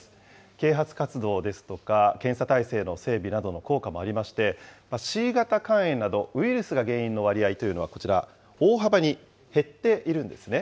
啓発活動ですとか、検査体制の整備などの効果もありまして、Ｃ型肝炎など、ウイルスが原因の割合というのはこちら、大幅に減っているんですね。